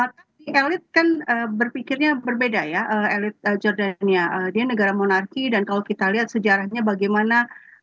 tapi elit kan berpikirnya berbeda ya elit jordania dia negara monarki dan kalau kita lihat sejarahnya bagaimana